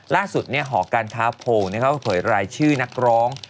ล่าสุดเนี่ยหอการท้าโพลเนี่ยเข้าเผยรายชื่อนักร้อง